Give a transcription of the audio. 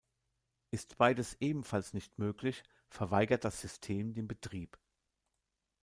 Ist beides ebenfalls nicht möglich, verweigert das System den Betrieb.